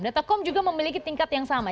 datacom juga memiliki tingkat yang sama